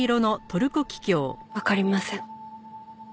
わかりません。